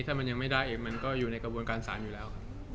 ถ้ามันยังไม่ได้อีกมันก็อยู่ในกระบวนการศาลอยู่แล้วครับ